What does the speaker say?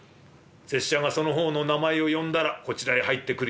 拙者がその方の名前を呼んだらこちらへ入ってくるようにな。